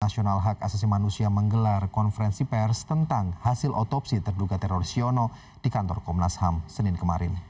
nasional hak asasi manusia menggelar konferensi pers tentang hasil otopsi terduga teroris siono di kantor komnas ham senin kemarin